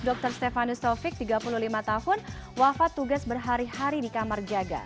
dr stefanus taufik tiga puluh lima tahun wafat tugas berhari hari di kamar jaga